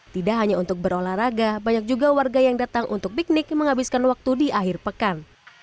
tidak hanya untuk berolahraga banyak juga warga yang datang untuk piknik menghabiskan waktu di akhir pekan